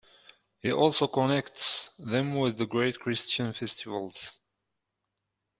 He also connects them with the great Christian festivals.